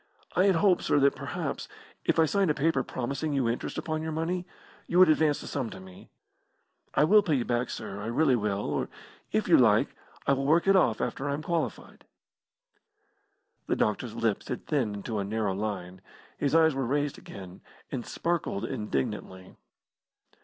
I had hoped, sir, that perhaps, if I signed a paper promising you interest upon your money, you would advance this sum to me. I will pay you back, sir, I really will. Or, if you like, I will work it off after I am qualified." The doctor's lips had thinned into a narrow line. His eyes were raised again, and sparkled indignantly.